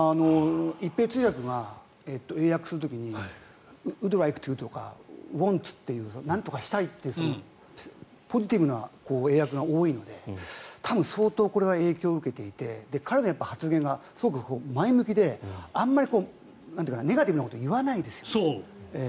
一平通訳が英訳する時にウッド・ライク・トゥとかウォントゥというなんとかしたいってポジティブな英訳が多いので多分相当、これは影響を受けていて彼の発言がすごく前向きであまりネガティブなこと言わないんです。